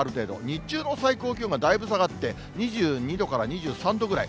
日中の最高気温がだいぶ下がって、２２度から２３度ぐらい。